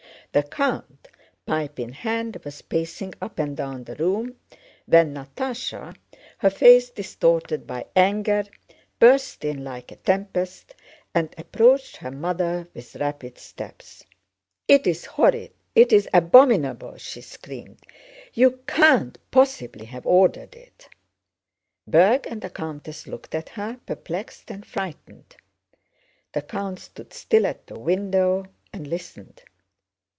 The count, pipe in hand, was pacing up and down the room, when Natásha, her face distorted by anger, burst in like a tempest and approached her mother with rapid steps. "It's horrid! It's abominable!" she screamed. "You can't possibly have ordered it!" Berg and the countess looked at her, perplexed and frightened. The count stood still at the window and listened.